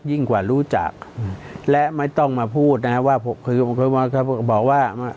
ยิ่งกว่ารู้จักและไม่ต้องมาพูดนะฮะว่าคือบอกว่า